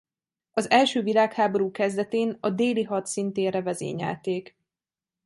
Az első világháború kezdetén a déli hadszíntérre vezényelték.